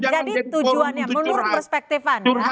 jadi tujuannya menurut perspektifan